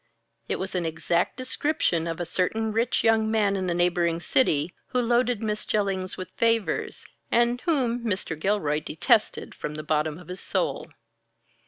It was an exact description of a certain rich young man in the neighboring city, who loaded Miss Jellings with favors, and whom Mr. Gilroy detested from the bottom of his soul.